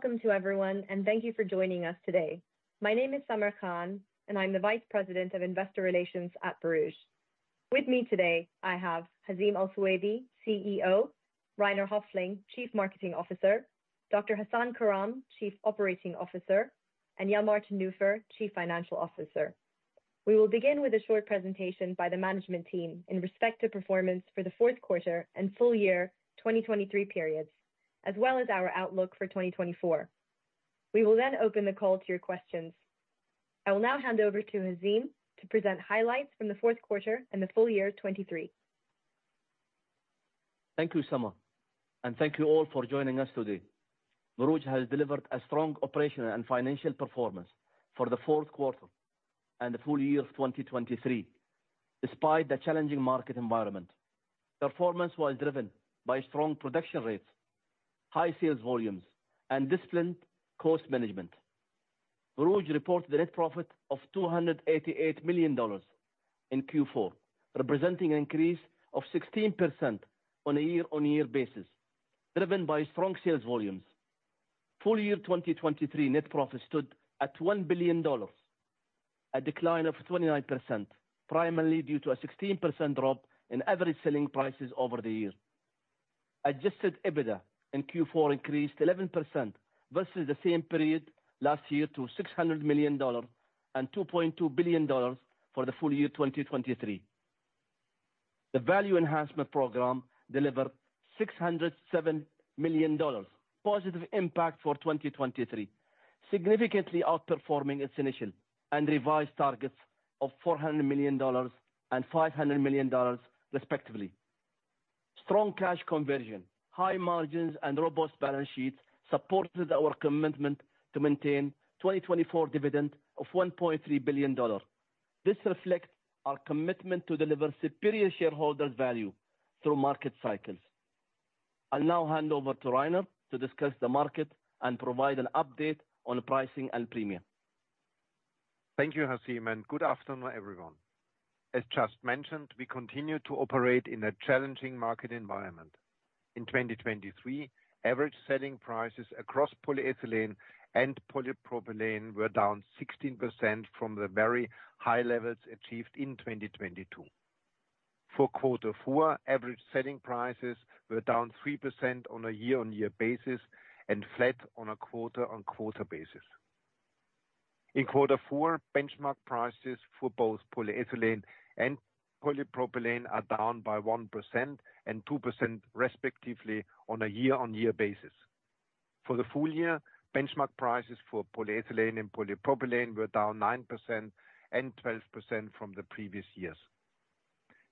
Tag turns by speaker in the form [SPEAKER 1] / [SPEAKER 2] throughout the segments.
[SPEAKER 1] Welcome to everyone, and thank you for joining us today. My name is Samar Khan, and I'm the Vice President of Investor Relations at Borouge. With me today, I have Hazeem Al Suwaidi, CEO, Rainer Hoefling, Chief Marketing Officer, Dr. Hasan Karam, Chief Operating Officer, and Jan-Martin Nufer, Chief Financial Officer. We will begin with a short presentation by the management team in respect to performance for the Q4 and full year 2023 periods, as well as our outlook for 2024. We will then open the call to your questions. I will now hand over to Hazeem to present highlights from the Q4 and the full year 2023.
[SPEAKER 2] Thank you, Samar, and thank you all for joining us today. Borouge has delivered a strong operational and financial performance for the Q4 and the full year of 2023, despite the challenging market environment. Performance was driven by strong production rates, high sales volumes, and disciplined cost management. Borouge reported a net profit of $288 million in Q4, representing an increase of 16% on a year-on-year basis, driven by strong sales volumes. Full year 2023 net profit stood at $1 billion, a decline of 29%, primarily due to a 16% drop in average selling prices over the year. Adjusted EBITDA in Q4 increased 11% versus the same period last year to $600 million and $2.2 billion for the full year 2023. The Value Enhancement Program delivered $607 million positive impact for 2023, significantly outperforming its initial and revised targets of $400 million and $500 million, respectively. Strong cash conversion, high margins, and robust balance sheets supported our commitment to maintain 2024 dividend of $1.3 billion. This reflects our commitment to deliver superior shareholder value through market cycles. I'll now hand over to Rainer to discuss the market and provide an update on pricing and premium.
[SPEAKER 3] Thank you, Hazeem, and good afternoon, everyone. As just mentioned, we continue to operate in a challenging market environment. In 2023, average selling prices across polyethylene and polypropylene were down 16% from the very high levels achieved in 2022. For quarter four, average selling prices were down 3% on a year-on-year basis and flat on a quarter-on-quarter basis. In quarter four, benchmark prices for both polyethylene and polypropylene are down by 1% and 2% respectively on a year-on-year basis. For the full year, benchmark prices for polyethylene and polypropylene were down 9% and 12% from the previous years.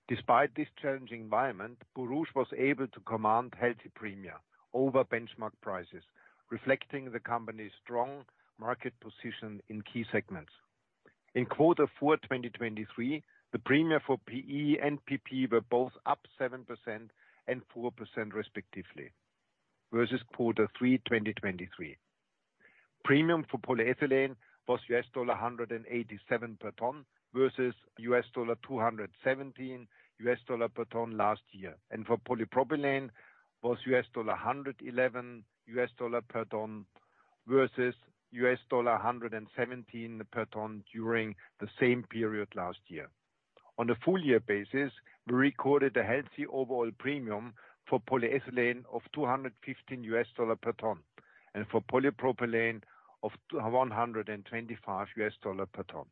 [SPEAKER 3] Despite this challenging environment, Borouge was able to command healthy premium over benchmark prices, reflecting the company's strong market position in key segments. In quarter four, 2023, the premium for PE and PP were both up 7% and 4% respectively versus quarter three, 2023. Premium for polyethylene was $187 per ton versus $217 per ton last year. For polypropylene, was $111 per ton versus $117 per ton during the same period last year. On a full year basis, we recorded a healthy overall premium for polyethylene of $215 per ton, and for polypropylene of $125 per ton.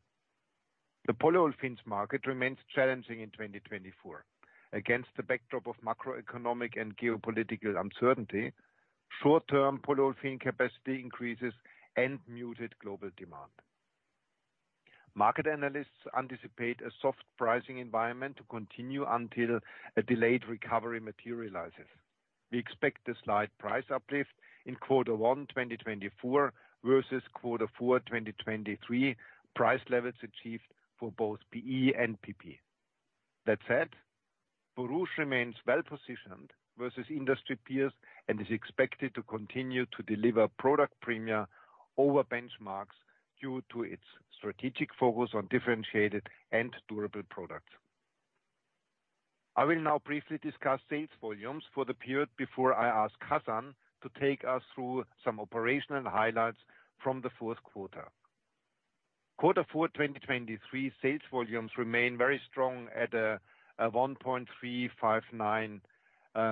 [SPEAKER 3] The polyolefins market remains challenging in 2024 against the backdrop of macroeconomic and geopolitical uncertainty, short-term polyolefin capacity increases, and muted global demand. Market analysts anticipate a soft pricing environment to continue until a delayed recovery materializes. We expect a slight price uplift in quarter one, 2024 versus quarter four, 2023, price levels achieved for both PE and PP. That said, Borouge remains well-positioned versus industry peers and is expected to continue to deliver product premium over benchmarks due to its strategic focus on differentiated and durable products. I will now briefly discuss sales volumes for the period before I ask Hassan to take us through some operational highlights from the Q4. Quarter four, 2023, sales volumes remain very strong at 1.359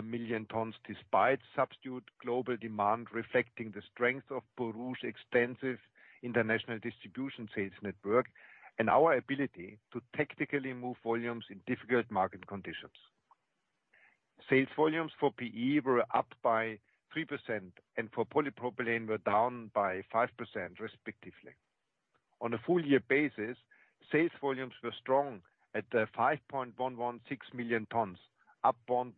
[SPEAKER 3] million tons, despite subdued global demand, reflecting the strength of Borouge's extensive international distribution sales network and our ability to tactically move volumes in difficult market conditions. Sales volumes for PE were up by 3% and for polypropylene were down by 5%, respectively. On a full year basis, sales volumes were strong at 5.116 million tons, up 1%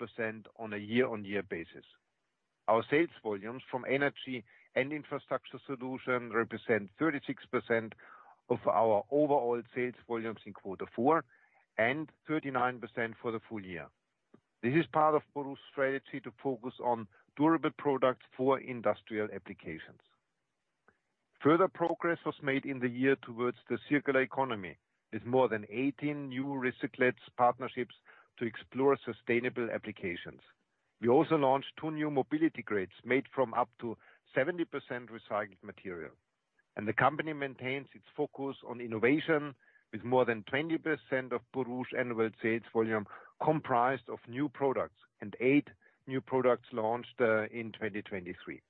[SPEAKER 3] on a year-on-year basis. Our sales volumes from energy and infrastructure solution represent 36% of our overall sales volumes in quarter four and 39% for the full year. This is part of Borouge's strategy to focus on durable products for industrial applications.... Further progress was made in the year towards the circular economy, with more than 18 new recyclates partnerships to explore sustainable applications. We also launched two new mobility grades made from up to 70% recycled material, and the company maintains its focus on innovation, with more than 20% of Borouge annual sales volume comprised of new products and 8 new products launched in 2023.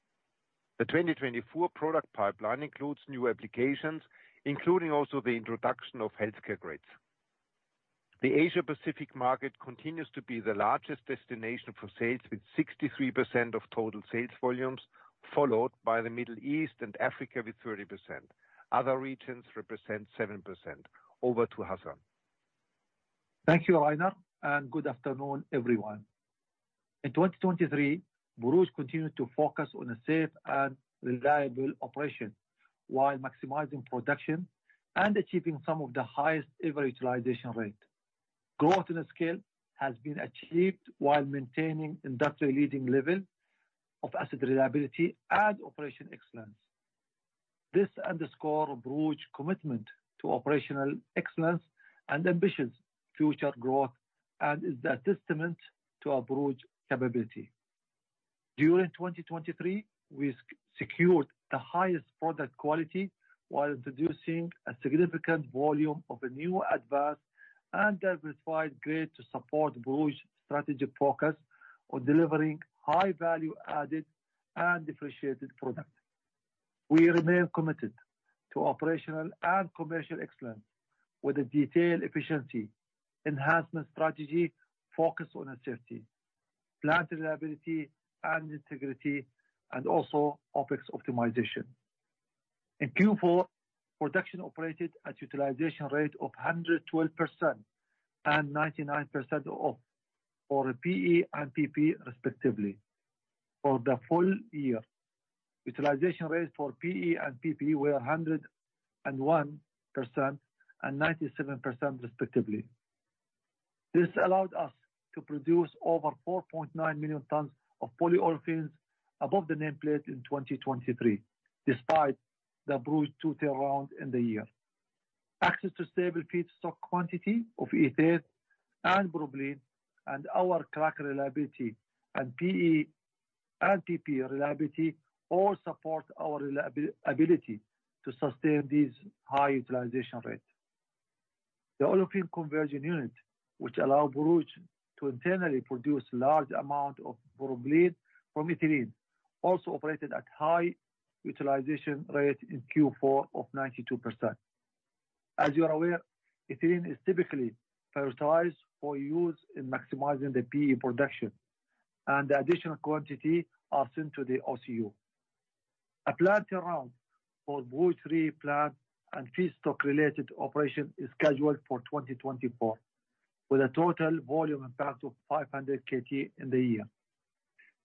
[SPEAKER 3] The 2024 product pipeline includes new applications, including also the introduction of healthcare grades. The Asia Pacific market continues to be the largest destination for sales, with 63% of total sales volumes, followed by the Middle East and Africa, with 30%. Other regions represent 7%. Over to Hassan.
[SPEAKER 4] Thank you, Rainer, and good afternoon, everyone. In 2023, Borouge continued to focus on a safe and reliable operation while maximizing production and achieving some of the highest ever utilization rate. Growth in scale has been achieved while maintaining industrial leading level of asset reliability and operational excellence. This underscores Borouge commitment to operational excellence and ambitious future growth and is a testament to our Borouge capability. During 2023, we secured the highest product quality while introducing a significant volume of a new advanced and diversified grade to support Borouge strategic focus on delivering high-value added and differentiated product. We remain committed to operational and commercial excellence with a detailed efficiency enhancement strategy focused on safety, plant reliability, and integrity, and also OpEx optimization. In Q4, production operated at utilization rate of 112% and 99% for PE and PP, respectively. For the full year, utilization rates for PE and PP were 101% and 97%, respectively. This allowed us to produce over 4.9 million tons of polyolefins above the nameplate in 2023, despite the Borouge turnaround in the year. Access to stable feedstock quantity of ethane and propylene, and our cracker reliability and PE and PP reliability all support our reliability to sustain these high utilization rates. The olefin conversion unit, which allow Borouge to internally produce large amount of propylene from ethylene, also operated at high utilization rate in Q4 of 92%. As you are aware, ethylene is typically prioritized for use in maximizing the PE production, and the additional quantity are sent to the OCU. A plant turnaround for Borouge 3 plant and feedstock-related operation is scheduled for 2024, with a total volume impact of 500 KT in the year.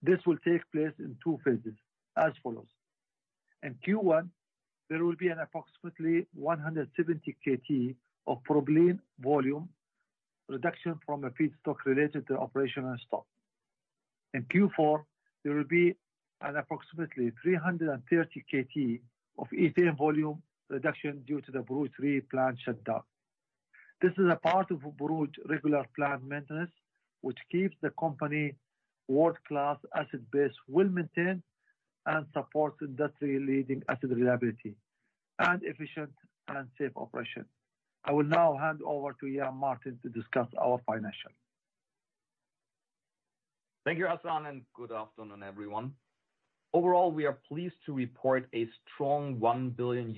[SPEAKER 4] This will take place in two phases as follows: in Q1, there will be an approximately 170 KT of propylene volume reduction from a feedstock related to operational stock. In Q4, there will be an approximately 330 KT of ethane volume reduction due to the Borouge 3 plant shutdown. This is a part of Borouge regular plant maintenance, which keeps the company world-class asset base well-maintained and supports industry-leading asset reliability and efficient and safe operation. I will now hand over to Jan-Martin Nufer to discuss our financials.
[SPEAKER 5] Thank you, Hasan, and good afternoon, everyone. Overall, we are pleased to report a strong $1 billion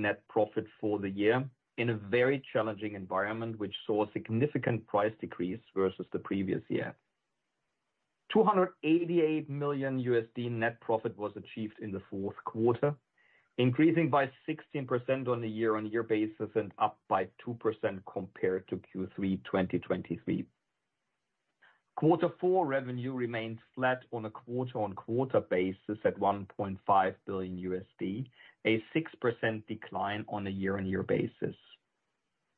[SPEAKER 5] net profit for the year in a very challenging environment, which saw a significant price decrease versus the previous year. $288 million net profit was achieved in the Q4, increasing by 16% on a year-on-year basis and up by 2% compared to Q3 2023. Quarter four revenue remained flat on a quarter-on-quarter basis at $1.5 billion, a 6% decline on a year-on-year basis.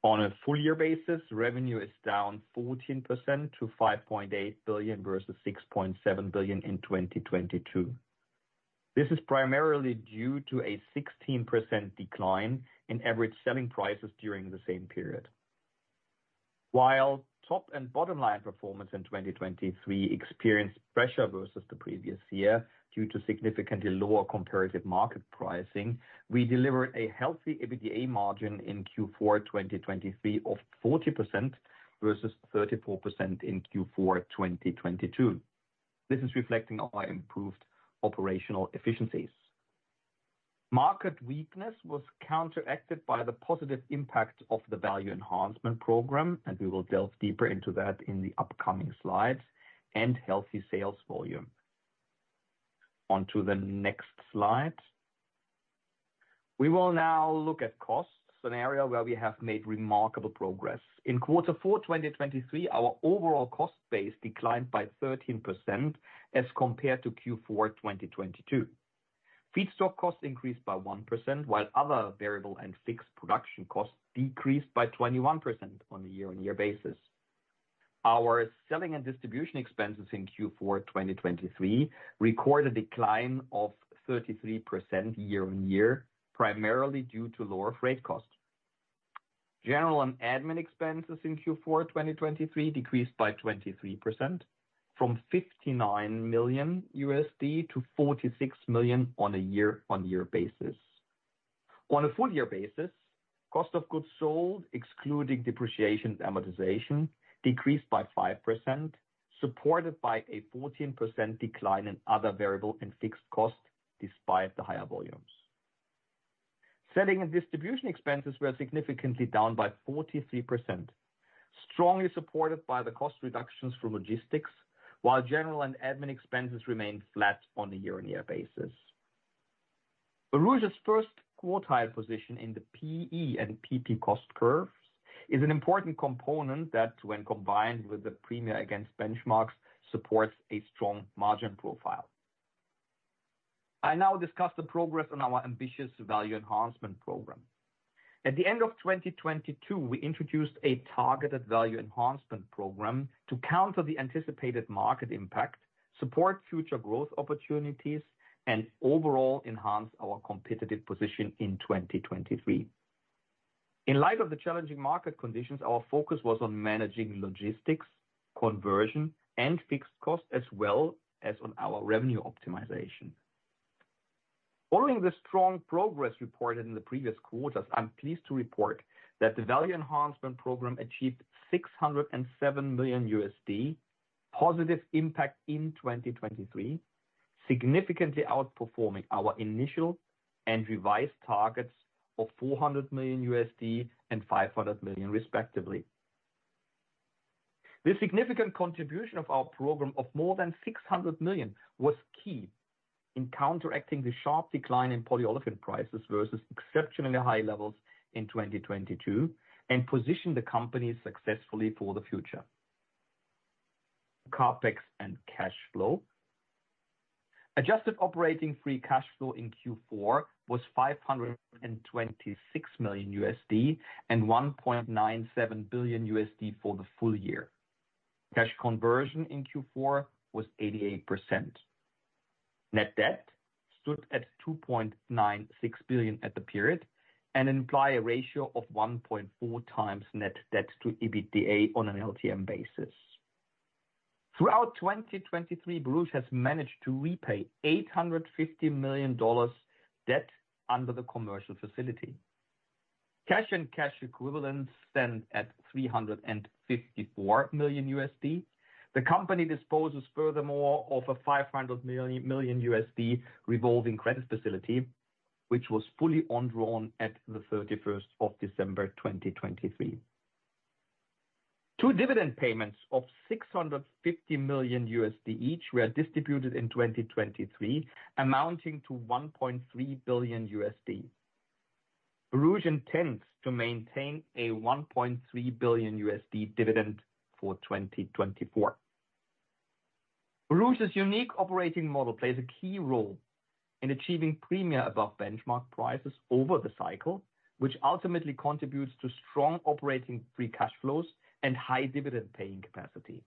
[SPEAKER 5] On a full year basis, revenue is down 14% to $5.8 billion, versus $6.7 billion in 2022. This is primarily due to a 16% decline in average selling prices during the same period. While top and bottom line performance in 2023 experienced pressure versus the previous year due to significantly lower comparative market pricing, we delivered a healthy EBITDA margin in Q4 2023 of 40%, versus 34% in Q4 2022. This is reflecting our improved operational efficiencies. Market weakness was counteracted by the positive impact of the value enhancement program, and we will delve deeper into that in the upcoming slides, and healthy sales volume. On to the next slide. We will now look at costs, an area where we have made remarkable progress. In quarter four 2023, our overall cost base declined by 13% as compared to Q4 2022. Feedstock costs increased by 1%, while other variable and fixed production costs decreased by 21% on a year-on-year basis.... Our selling and distribution expenses in Q4 2023 recorded a decline of 33% year-on-year, primarily due to lower freight costs. General and admin expenses in Q4 2023 decreased by 23% from $59 million to $46 million on a year-on-year basis. On a full year basis, cost of goods sold, excluding depreciation amortization, decreased by 5%, supported by a 14% decline in other variable and fixed costs, despite the higher volumes. Selling and distribution expenses were significantly down by 43%, strongly supported by the cost reductions for logistics, while general and admin expenses remained flat on a year-on-year basis. Borouge's first quartile position in the PE and PP cost curves is an important component that, when combined with the premium against benchmarks, supports a strong margin profile. I now discuss the progress on our ambitious Value Enhancement Program. At the end of 2022, we introduced a targeted Value Enhancement Program to counter the anticipated market impact, support future growth opportunities, and overall enhance our competitive position in 2023. In light of the challenging market conditions, our focus was on managing logistics, conversion, and fixed costs, as well as on our revenue optimization. Following the strong progress reported in the previous quarters, I'm pleased to report that the Value Enhancement Program achieved $607 million positive impact in 2023, significantly outperforming our initial and revised targets of $400 million and $500 million, respectively. The significant contribution of our program of more than $600 million was key in counteracting the sharp decline in polyolefin prices versus exceptionally high levels in 2022, and positioned the company successfully for the future. CapEx and cash flow. Adjusted operating free cash flow in Q4 was $526 million and $1.97 billion for the full year. Cash conversion in Q4 was 88%. Net debt stood at $2.96 billion at the period and imply a ratio of 1.4 times net debt to EBITDA on an LTM basis. Throughout 2023, Borouge has managed to repay $850 million debt under the commercial facility. Cash and cash equivalents stand at $354 million. The company disposes furthermore of a $500 million revolving credit facility, which was fully undrawn at December 31, 2023. Two dividend payments of $650 million each were distributed in 2023, amounting to $1.3 billion USD. Borouge intends to maintain a $1.3 billion dividend for 2024. Borouge's unique operating model plays a key role in achieving premium above benchmark prices over the cycle, which ultimately contributes to strong operating free cash flows and high dividend-paying capacity.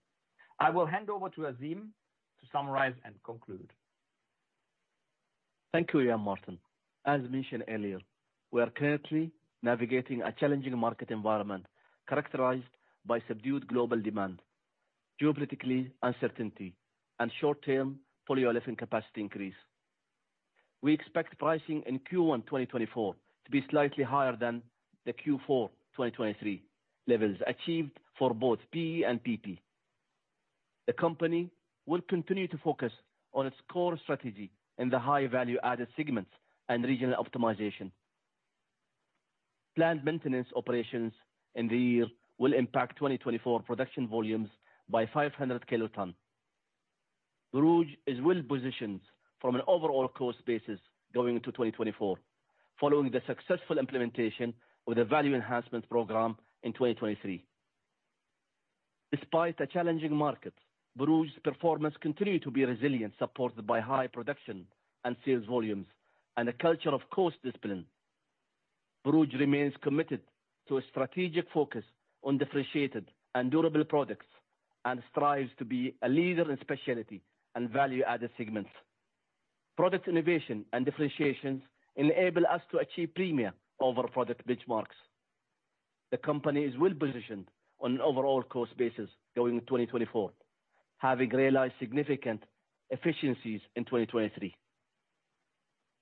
[SPEAKER 5] I will hand over to Hazeem to summarize and conclude.
[SPEAKER 2] Thank you, Jan-Martin. As mentioned earlier, we are currently navigating a challenging market environment characterized by subdued global demand, geopolitical uncertainty, and short-term polyolefin capacity increase. We expect pricing in Q1 2024 to be slightly higher than the Q4 2023 levels achieved for both PE and PP. The company will continue to focus on its core strategy in the high value-added segments and regional optimization. Planned maintenance operations in the year will impact 2024 production volumes by 500 kilotons. Borouge is well positioned from an overall cost basis going into 2024, following the successful implementation of the value enhancement program in 2023. Despite the challenging market, Borouge's performance continued to be resilient, supported by high production and sales volumes and a culture of cost discipline. Borouge remains committed to a strategic focus on differentiated and durable products, and strives to be a leader in specialty and value-added segments. Product innovation and differentiations enable us to achieve premium over product benchmarks. The company is well positioned on an overall cost basis going into 2024, having realized significant efficiencies in 2023.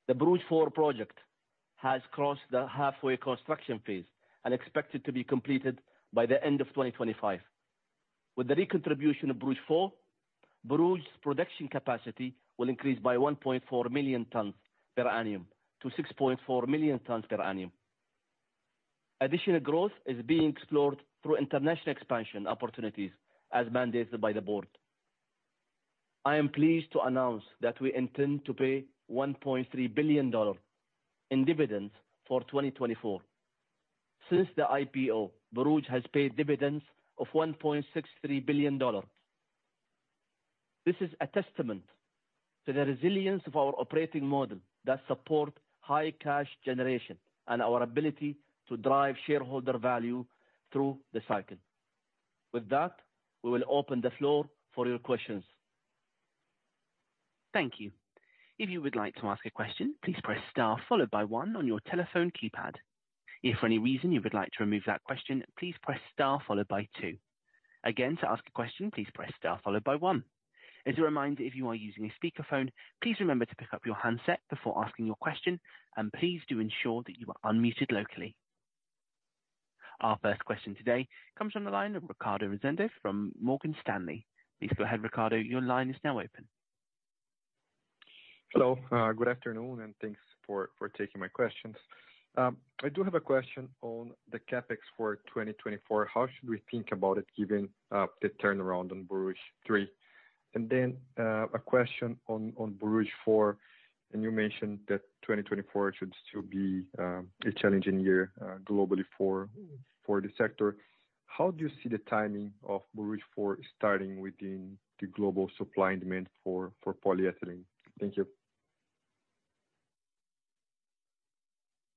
[SPEAKER 2] The Borouge 4 project has crossed the halfway construction phase and expected to be completed by the end of 2025. With the recontribution of Borouge 4, Borouge's production capacity will increase by 1.4 million tons per annum to 6.4 million tons per annum. Additional growth is being explored through international expansion opportunities as mandated by the board. I am pleased to announce that we intend to pay $1.3 billion in dividends for 2024. Since the IPO, Borouge has paid dividends of $1.63 billion. ...This is a testament to the resilience of our operating model that support high cash generation and our ability to drive shareholder value through the cycle. With that, we will open the floor for your questions.
[SPEAKER 6] Thank you. If you would like to ask a question, please press star followed by one on your telephone keypad. If for any reason you would like to remove that question, please press star followed by two. Again, to ask a question, please press star followed by one. As a reminder, if you are using a speakerphone, please remember to pick up your handset before asking your question, and please do ensure that you are unmuted locally. Our first question today comes from the line of Ricardo Resende from Morgan Stanley. Please go ahead, Ricardo, your line is now open.
[SPEAKER 7] Hello. Good afternoon, and thanks for, for taking my questions. I do have a question on the CapEx for 2024. How should we think about it, given the turnaround on Borouge 3? And then, a question on, on Borouge 4, and you mentioned that 2024 should still be a challenging year, globally for, for the sector. How do you see the timing of Borouge 4 starting within the global supply and demand for, for polyethylene? Thank you.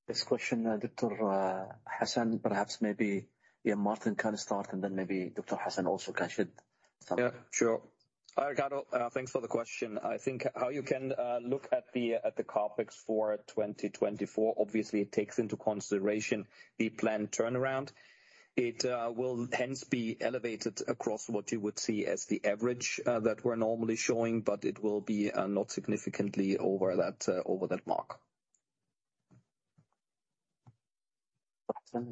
[SPEAKER 2] This question, Dr. Hasan, perhaps, maybe, yeah, Martin can start, and then maybe Dr. Hasan also can should start.
[SPEAKER 5] Yeah, sure. Hi, Ricardo, thanks for the question. I think how you can look at the CapEx for 2024, obviously it takes into consideration the planned turnaround. It will hence be elevated across what you would see as the average that we're normally showing, but it will be not significantly over that over that mark.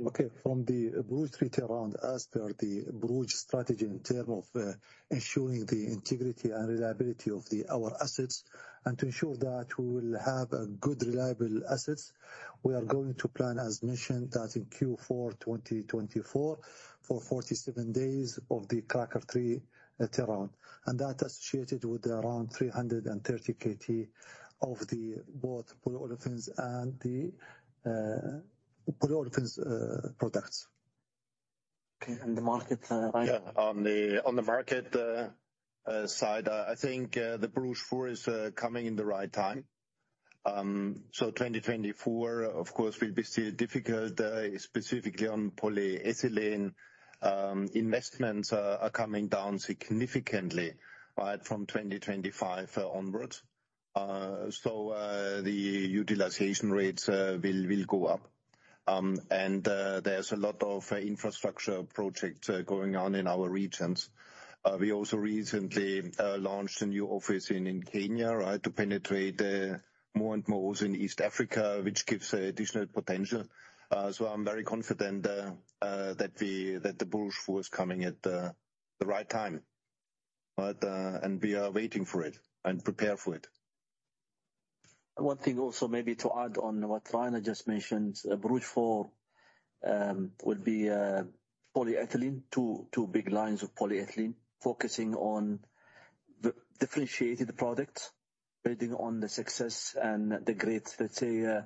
[SPEAKER 4] Okay, from the Borouge turnaround, as per the Borouge strategy in terms of ensuring the integrity and reliability of our assets, and to ensure that we will have good reliable assets, we are going to plan, as mentioned, that in Q4 2024, for 47 days of the cracker 3 turnaround, and that associated with around 330 KT of both polyolefins and the polyolefins products.
[SPEAKER 2] Okay, and the market, Rainer?
[SPEAKER 3] Yeah, on the market side, I think the Borouge 4 is coming in the right time. So 2024, of course, will be still difficult, specifically on polyethylene. Investments are coming down significantly, right, from 2025 onwards. So the utilization rates will go up. And there's a lot of infrastructure projects going on in our regions. We also recently launched a new office in Kenya, right, to penetrate more and more also in East Africa, which gives additional potential. So I'm very confident that the Borouge 4 is coming at the right time, but and we are waiting for it and prepare for it.
[SPEAKER 2] One thing also, maybe to add on what Rainer just mentioned, Borouge 4 would be polyethylene, 2 big lines of polyethylene, focusing on the differentiated products, building on the success and the great, let's say,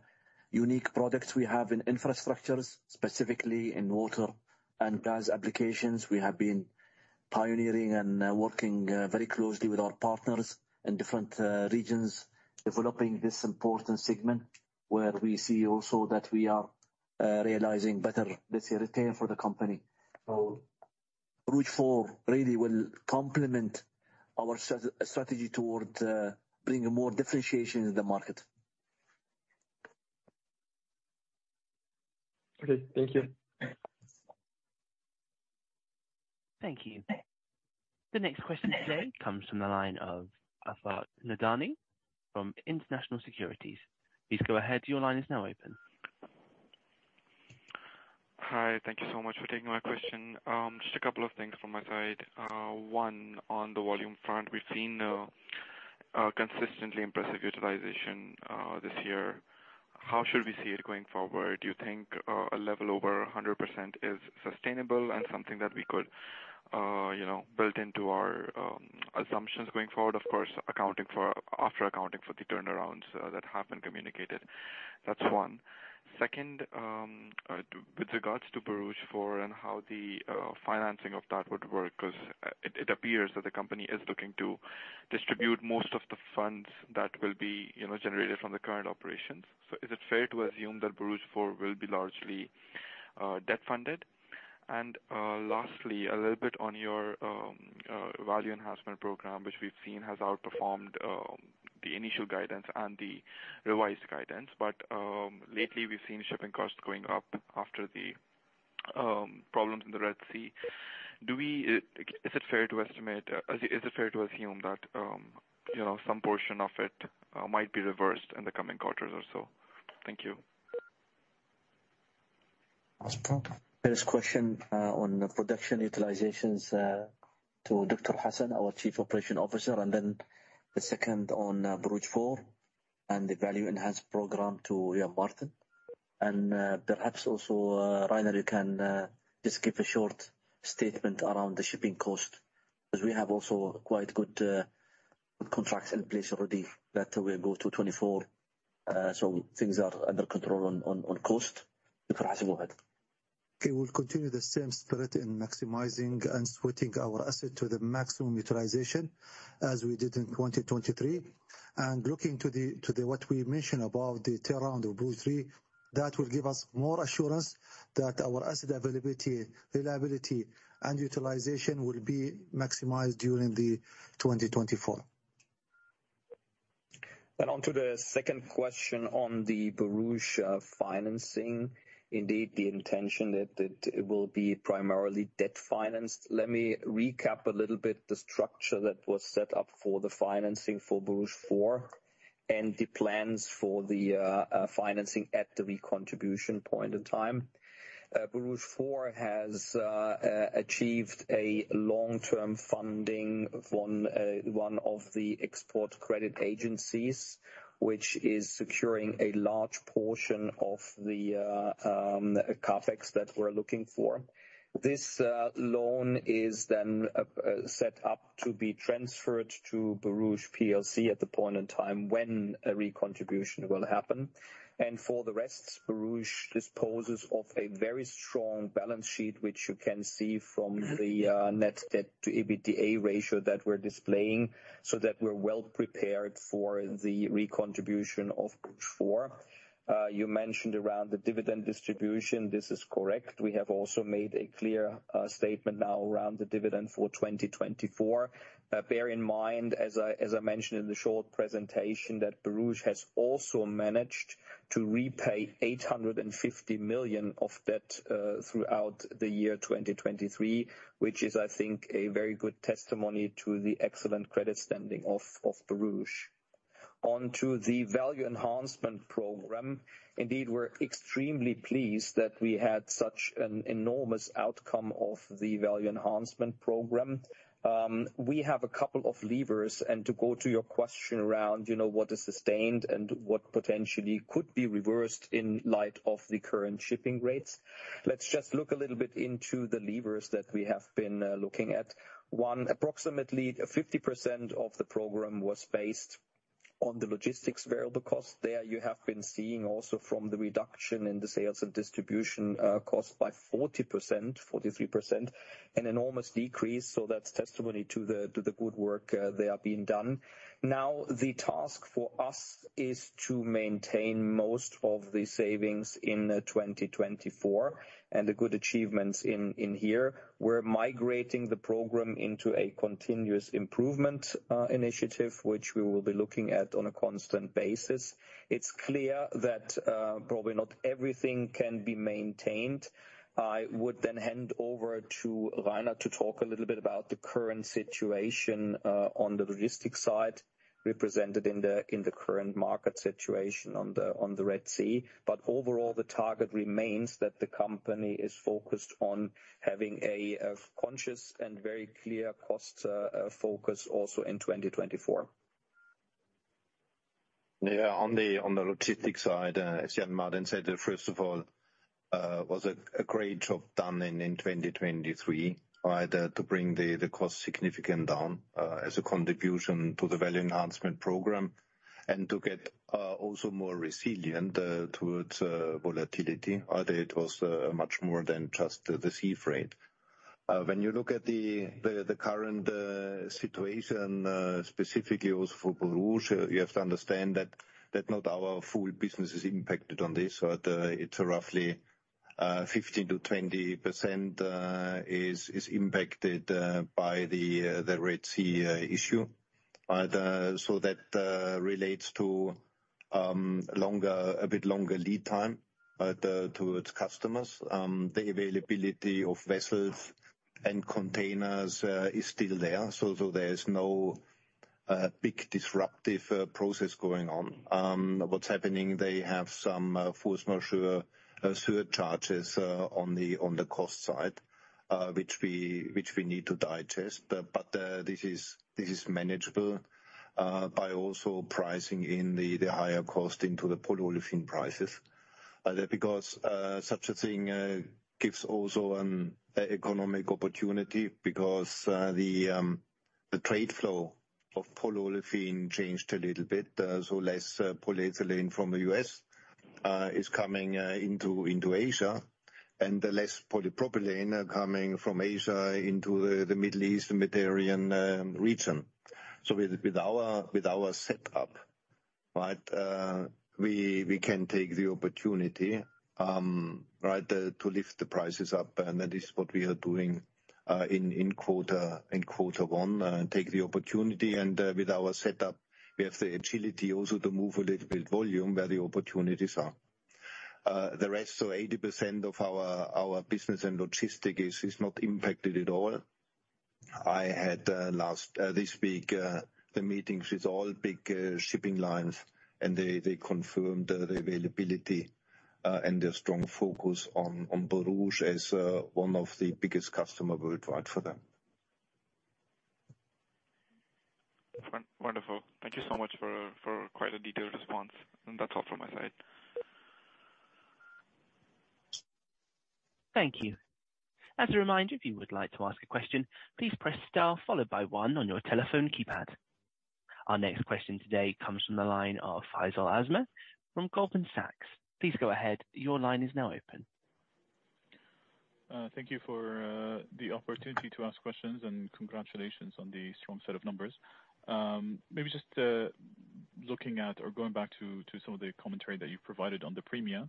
[SPEAKER 2] unique products we have in infrastructures, specifically in water and gas applications. We have been pioneering and working very closely with our partners in different regions, developing this important segment, where we see also that we are realizing better, let's say, return for the company. So Borouge 4 really will complement our strategy toward bringing more differentiation in the market.
[SPEAKER 7] Okay, thank you.
[SPEAKER 6] Thank you. The next question today comes from the line of Afaq Nathanifrom International Securities. Please go ahead. Your line is now open.
[SPEAKER 8] Hi, thank you so much for taking my question. Just a couple of things from my side. One, on the volume front, we've seen consistently impressive utilization this year. How should we see it going forward? Do you think a level over 100% is sustainable and something that we could, you know, build into our assumptions going forward? Of course, after accounting for the turnarounds that have been communicated. That's one. Second, with regards to Borouge 4 and how the financing of that would work, 'cause it appears that the company is looking to distribute most of the funds that will be, you know, generated from the current operations. So is it fair to assume that Borouge 4 will be largely debt-funded? Lastly, a little bit on your Value Enhancement Program, which we've seen has outperformed the initial guidance and the revised guidance. Lately, we've seen shipping costs going up after the problems in the Red Sea. Is it fair to assume that, you know, some portion of it might be reversed in the coming quarters or so? Thank you.
[SPEAKER 2] First question, on the production utilizations, to Dr. Hasan, our Chief Operating Officer, and then the second on Borouge 4 and the Value Enhancement Program to Martin. And, perhaps also, Rainer, you can, just give a short statement around the shipping cost, 'cause we have also quite good, contracts in place already that will go to 2024. So things are under control on cost. Dr. Hasan, go ahead. ...
[SPEAKER 4] We will continue the same spirit in maximizing and sweating our asset to the maximum utilization as we did in 2023. Looking to the what we mentioned about the turnaround of Borouge 3, that will give us more assurance that our asset availability, reliability, and utilization will be maximized during 2024.
[SPEAKER 5] And onto the second question on the Borouge financing. Indeed, the intention that it will be primarily debt financed. Let me recap a little bit the structure that was set up for the financing for Borouge 4 and the plans for the financing at the recontribution point in time. Borouge 4 has achieved a long-term funding from one of the export credit agencies, which is securing a large portion of the CapEx that we're looking for. This loan is then set up to be transferred to Borouge PLC at the point in time when a recontribution will happen. And for the rest, Borouge disposes of a very strong balance sheet, which you can see from the net debt to EBITDA ratio that we're displaying, so that we're well prepared for the recontribution of Borouge 4. You mentioned around the dividend distribution, this is correct. We have also made a clear statement now around the dividend for 2024. Bear in mind, as I mentioned in the short presentation, that Borouge has also managed to repay $850 million of debt throughout the year 2023, which is, I think, a very good testimony to the excellent credit standing of Borouge. On to the Value Enhancement Program. Indeed, we're extremely pleased that we had such an enormous outcome of the Value Enhancement Program. We have a couple of levers, and to go to your question around, you know, what is sustained and what potentially could be reversed in light of the current shipping rates. Let's just look a little bit into the levers that we have been looking at. One, approximately 50% of the program was based on the logistics variable cost. There, you have been seeing also from the reduction in the sales and distribution cost by 40%, 43%, an enormous decrease, so that's testimony to the good work there being done. Now, the task for us is to maintain most of the savings in 2024, and the good achievements in here. We're migrating the program into a continuous improvement initiative, which we will be looking at on a constant basis. It's clear that probably not everything can be maintained. I would then hand over to Rainer to talk a little bit about the current situation on the logistics side, represented in the current market situation on the Red Sea. But overall, the target remains that the company is focused on having a conscious and very clear cost focus also in 2024.
[SPEAKER 3] Yeah, on the logistics side, as Jan-Martin said, first of all, was a great job done in 2023, right, to bring the cost significant down, as a contribution to the Value Enhancement Program and to get also more resilient towards volatility, although it was much more than just the sea freight. When you look at the current situation, specifically also for Borouge, you have to understand that not our full business is impacted on this, but it's roughly 15%-20% is impacted by the Red Sea issue. But so that relates to a bit longer lead time towards customers. The availability of vessels and containers is still there, so there is no big disruptive process going on. What's happening, they have some force majeure surcharges on the cost side, which we need to digest. But this is manageable by also pricing in the higher cost into the polyolefin prices. Because such a thing gives also an economic opportunity because the trade flow of polyolefin changed a little bit, so less polyethylene from the U.S. is coming into Asia, and less polypropylene are coming from Asia into the Middle East and Mediterranean region. So with our setup, right, we can take the opportunity, right, to lift the prices up, and that is what we are doing in quarter one, take the opportunity, and with our setup, we have the agility also to move a little bit volume where the opportunities are. The rest, so 80% of our business and logistics is not impacted at all. I had this week the meetings with all big shipping lines, and they confirmed the availability and their strong focus on Borouge as one of the biggest customer worldwide for them.
[SPEAKER 8] Wonderful. Thank you so much for, for quite a detailed response. That's all from my side.
[SPEAKER 6] Thank you. As a reminder, if you would like to ask a question, please press star followed by one on your telephone keypad.... Our next question today comes from the line of Faisal Al-Azmeh from Goldman Sachs. Please go ahead. Your line is now open.
[SPEAKER 9] Thank you for the opportunity to ask questions, and congratulations on the strong set of numbers. Maybe just looking at or going back to some of the commentary that you provided on the premia.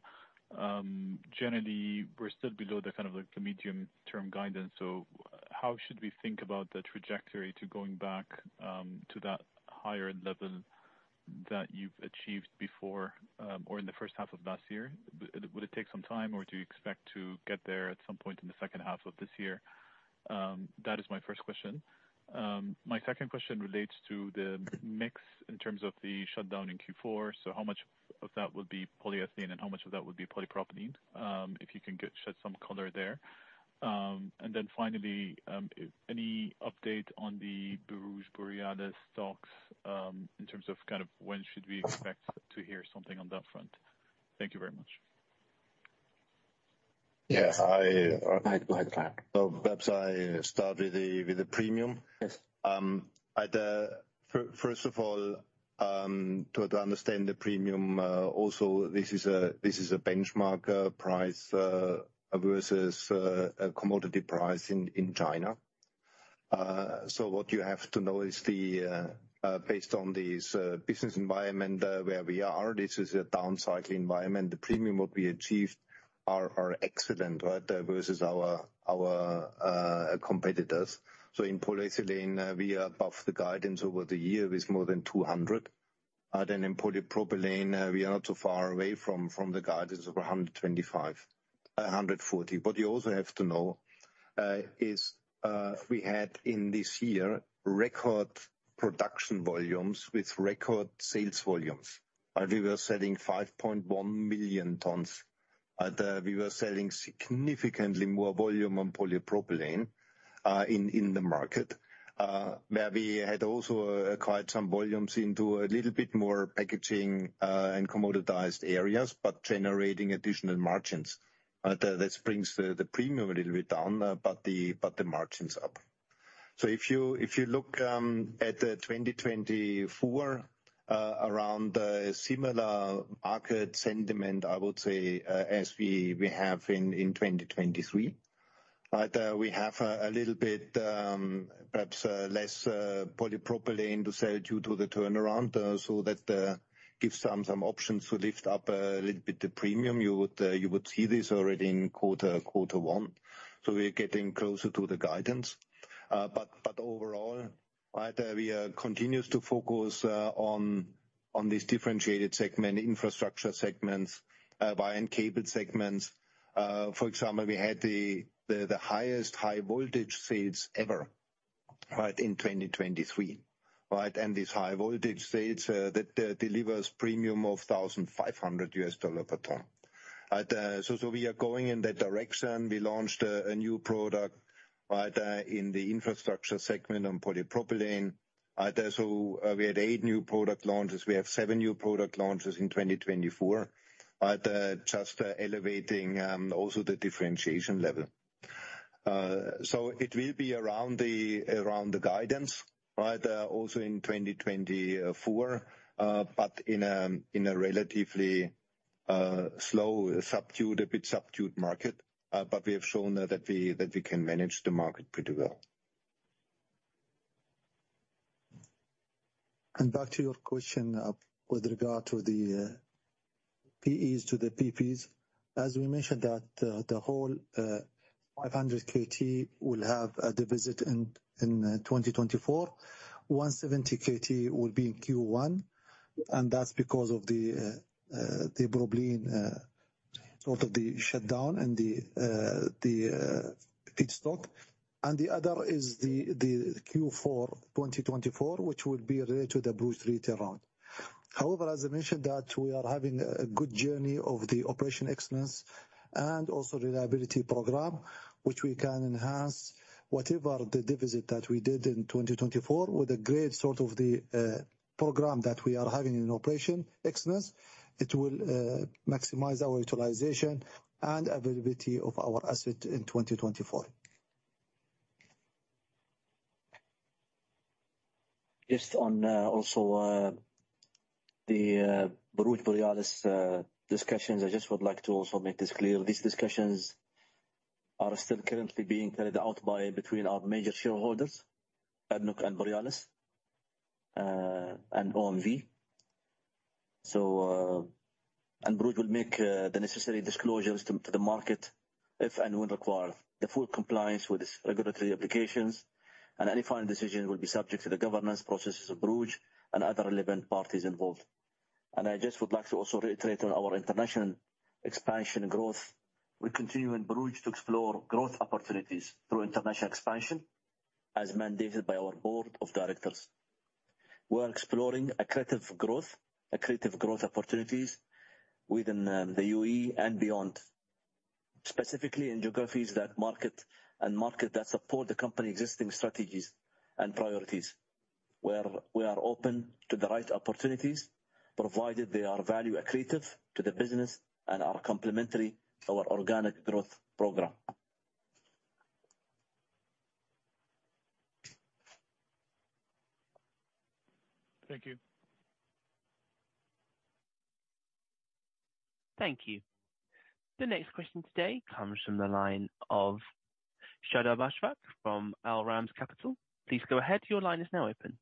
[SPEAKER 9] Generally, we're still below the kind of like the medium-term guidance, so how should we think about the trajectory to going back to that higher level that you've achieved before, or in the first half of last year? Would it take some time, or do you expect to get there at some point in the second half of this year? That is my first question. My second question relates to the mix in terms of the shutdown in Q4. So how much of that would be polyethylene and how much of that would be polypropylene? If you can shed some color there. Finally, any update on the Borouge Borealis talks, in terms of kind of when should we expect to hear something on that front? Thank you very much.
[SPEAKER 3] Yeah, I-
[SPEAKER 4] Hi, go ahead.
[SPEAKER 3] Perhaps I start with the premium.
[SPEAKER 9] Yes.
[SPEAKER 3] First of all, to understand the premium, also this is a benchmark price versus a commodity price in China. So what you have to know is, based on this business environment where we are, this is a down cycle environment. The premium what we achieved are excellent, right, versus our competitors. So in polyethylene, we are above the guidance over the year with more than 200. Then in polypropylene, we are not too far away from the guidance of 125-140. What you also have to know is, we had in this year record production volumes with record sales volumes, and we were selling 5.1 million tons. We were selling significantly more volume on polypropylene in the market where we had also acquired some volumes into a little bit more packaging and commoditized areas, but generating additional margins. That brings the premium a little bit down, but the margins up. So if you look at 2024 around the similar market sentiment, I would say, as we have in 2023. But we have a little bit perhaps less polypropylene to sell due to the turnaround, so that gives some options to lift up a little bit the premium. You would see this already in quarter one, so we're getting closer to the guidance. But overall, right, we continues to focus on this differentiated segment, infrastructure segments, wire and cable segments. For example, we had the highest high voltage sales ever, right, in 2023, right? And these high voltage sales that delivers premium of $1,500 per ton. Right, so we are going in that direction. We launched a new product, right, in the infrastructure segment on polypropylene. Right, so we had 8 new product launches. We have 7 new product launches in 2024, right, just elevating also the differentiation level. So it will be around the guidance, right, also in 2024, but in a relatively slow, subdued, a bit subdued market. But we have shown that we can manage the market pretty well.
[SPEAKER 4] Back to your question, with regard to the PEs to the PP's. As we mentioned, that the whole 500 KT will have a deficit in 2024. 170 KT will be in Q1, and that's because of the propylene side of the shutdown and the feedstock. And the other is the Q4 2024, which will be related to the Borstar turnaround. However, as I mentioned, that we are having a good journey of the operational excellence and also reliability program, which we can enhance whatever the deficit that we did in 2024 with a great sort of the program that we are having in operational excellence. It will maximize our utilization and availability of our asset in 2024.
[SPEAKER 2] Just on, also, the Borouge-Borealis discussions, I just would like to also make this clear. These discussions are still currently being carried out between our major shareholders, ADNOC and Borealis, and OMV. So Borouge will make the necessary disclosures to the market if, and will require the full compliance with its regulatory applications, and any final decision will be subject to the governance processes of Borouge and other relevant parties involved. I just would like to also reiterate on our international expansion growth. We continue in Borouge to explore growth opportunities through international expansion, as mandated by our board of directors. We are exploring accretive growth, accretive growth opportunities within the UAE and beyond, specifically in geographies that matter, and matter that support the company's existing strategies and priorities. We are open to the right opportunities, provided they are value accretive to the business and are complementary to our organic growth program.
[SPEAKER 9] Thank you.
[SPEAKER 6] Thank you. The next question today comes from the line of Shadab Ashfaq from Al Ramz Capital. Please go ahead. Your line is now open.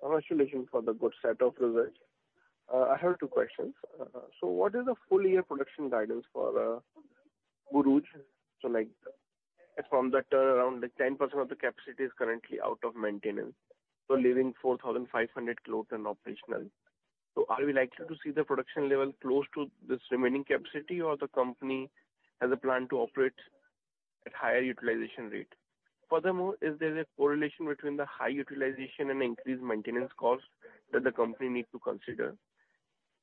[SPEAKER 10] Congratulations for the good set of results. I have two questions. So what is the full year production guidance for Borouge? So like, from the turnaround, like, 10% of the capacity is currently out of maintenance, so leaving 4,500 kilotons operational. So are we likely to see the production level close to this remaining capacity, or the company has a plan to operate at higher utilization rate? Furthermore, is there a correlation between the high utilization and increased maintenance costs that the company needs to consider?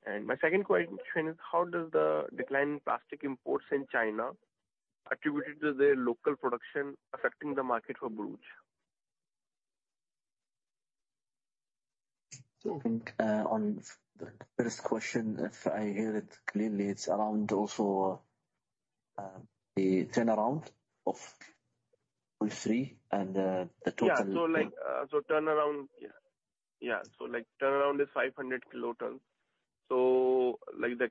[SPEAKER 10] And my second question is: How does the decline in plastic imports in China attributed to their local production affecting the market for Borouge?
[SPEAKER 4] I think, on the first question, if I hear it clearly, it's around also, the turnaround of 3, and, the total-
[SPEAKER 10] Yeah, so like, so turnaround, yeah. Yeah, so like turnaround is 500 kiloton. So like, the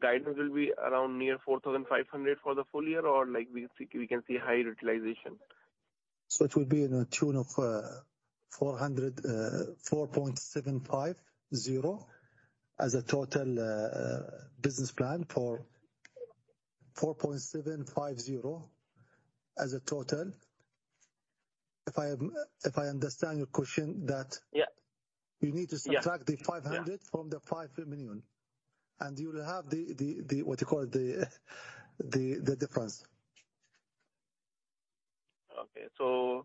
[SPEAKER 10] guidance will be around near 4,500 for the full year, or like, we, we can see high utilization?
[SPEAKER 4] So it will be in the tune of $400, $4.750 as a total business plan for... $4.750 as a total. If I am, if I understand your question that-
[SPEAKER 10] Yeah.
[SPEAKER 4] You need to subtract the $500 from the $5 million, and you will have the what you call the difference.
[SPEAKER 10] Okay. So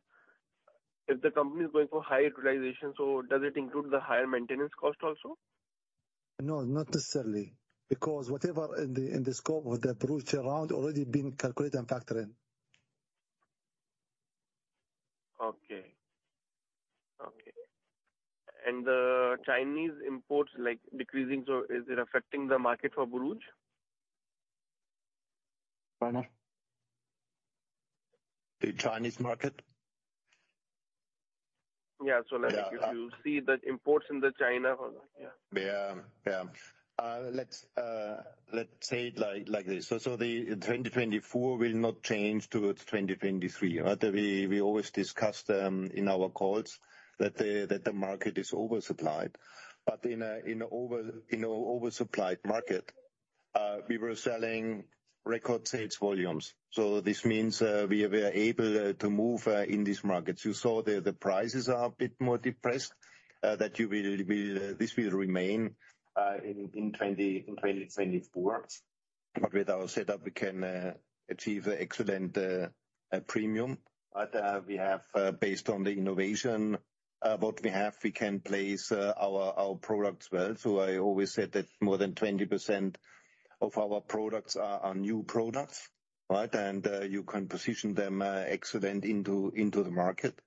[SPEAKER 10] if the company is going for high utilization, so does it include the higher maintenance cost also?
[SPEAKER 4] No, not necessarily, because whatever in the scope of the Borouge turnaround already been calculated and factored in.
[SPEAKER 10] Okay. Okay. And the Chinese imports, like, decreasing, so is it affecting the market for Borouge?
[SPEAKER 4] Pardon?
[SPEAKER 3] The Chinese market?
[SPEAKER 10] Yeah.
[SPEAKER 3] Yeah.
[SPEAKER 10] Like, if you see the imports in China, yeah.
[SPEAKER 3] Yeah. Yeah. Let's say it like this, so the 2024 will not change towards 2023, right? We always discuss in our calls that the market is oversupplied. But in an oversupplied market, we were selling record sales volumes. So this means we are able to move in these markets. You saw the prices are a bit more depressed, that this will remain in 2024. But with our setup, we can achieve excellent premium. But we have, based on the innovation what we have, we can place our products well. So I always said that more than 20% of our products are new products, right? You can position them excellent into the market.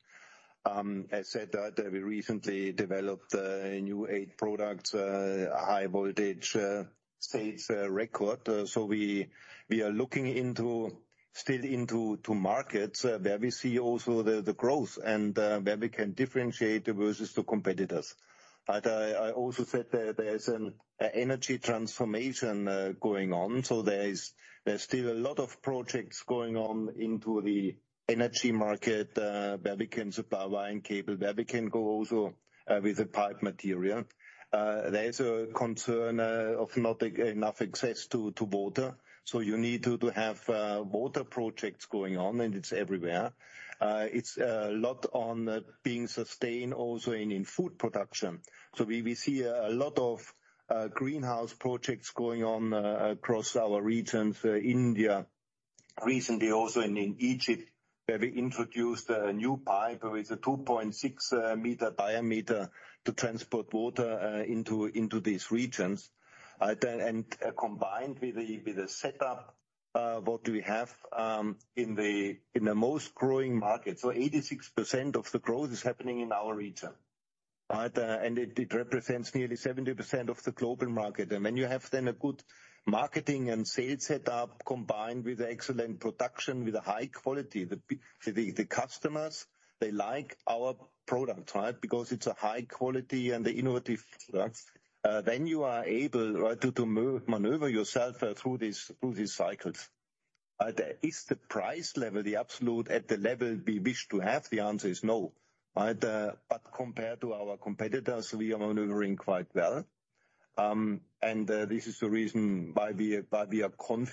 [SPEAKER 3] I said that we recently developed new 8 products, high voltage sales record. So we are looking into markets where we see the growth and where we can differentiate versus the competitors. But I also said that there's an energy transformation going on, so there is still a lot of projects going on into the energy market, where we can supply wire and cable, where we can go also with the pipe material. There is a concern of not enough access to water, so you need to have water projects going on, and it's everywhere. It's a lot on being sustained also in food production. So we see a lot of greenhouse projects going on across our regions, India, recently also in Egypt, where we introduced a new pipe with a 2.6 meter diameter to transport water into these regions. Then combined with the setup what we have in the most growing markets. So 86% of the growth is happening in our region, right? And it represents nearly 70% of the global market. And when you have then a good marketing and sales setup, combined with excellent production, with a high quality, the customers, they like our products, right? Because it's a high quality and innovative products. Then you are able, right, to maneuver yourself through these cycles. Is the price level the absolute at the level we wish to have? The answer is no, right? But compared to our competitors, we are maneuvering quite well. This is the reason why we are confident-